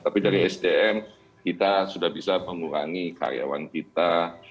tapi dari sdm kita sudah bisa mengurangi karyawan kita